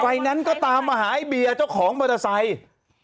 แนนซ์ก็ตามมาหาไอเบียร์เจ้าของมอเตอร์ไซค์